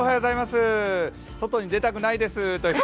外に出たくないです。